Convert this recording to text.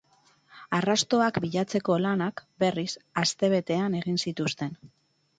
Arrastoak bilatzeko lanak, berriz, astebetean egin zituzten.